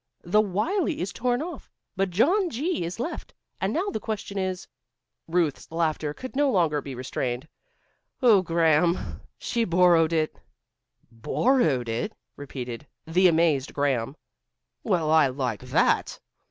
The 'Wylie' is torn off but 'John G.' is left. And now the question is " Ruth's laughter could no longer be restrained. "Oh, Graham, she borrowed it." "Borrowed it!" repeated the amazed Graham. "Well, I like that."